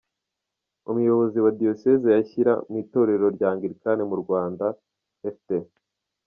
Umuyobozi wa Diyosezi ya Shyira, mu itorero rya Anglican mu Rwanda, Rt.